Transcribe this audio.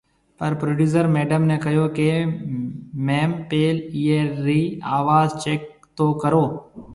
پر پروڊيوسر ميڊم ني ڪهيو ڪي، ميم پيل ايئي ري آواز چيڪ تو ڪرو